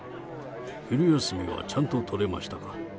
昼休みはちゃんと取れましたか。